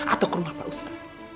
atau ke rumah pak ustadz